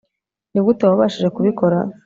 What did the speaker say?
nigute wabashije kubikora